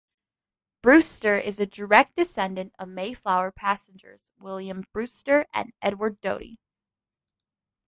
Brewster is a direct descendant of Mayflower passengers William Brewster and Edward Doty.